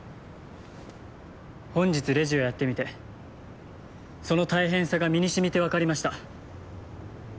本日レジをやってみてその大変さが身にしみて分かりました。